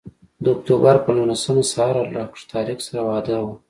د اکتوبر پر نولسمه سهار له ډاکټر طارق سره وعده وه.